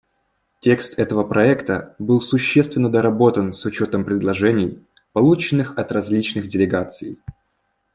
Текст этого проекта был существенно доработан с учетом предложений, полученных от различных делегаций.